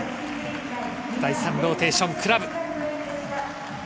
第３ローテーションのクラブ。